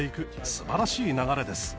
素晴らしい流れです。